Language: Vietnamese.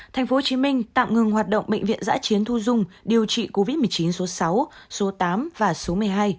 tp hcm tạm ngừng hoạt động bệnh viện giã chiến thu dung điều trị covid một mươi chín số sáu số tám và số một mươi hai